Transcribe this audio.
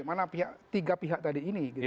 bagaimana pihak tiga pihak tadi ini